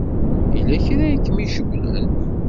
Yella kra i kem-icewwlen?